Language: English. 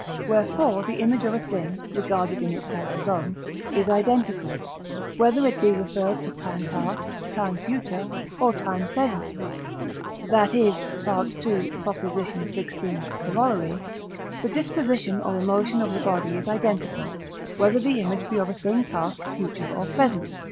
Wherefore the image of a thing, regarded in itself alone, is identical, whether it be referred to time past, time future, or time present; that is (II. xvi. Coroll.), the disposition or emotion of the body is identical, whether the image be of a thing past, future, or present.